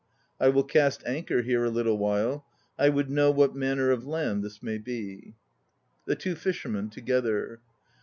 I will cast anchor here a little while. I would know what manner of land this may be. THE TWO FISHERMEN (together).